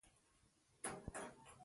د ګاونډي نېک عمل وستایه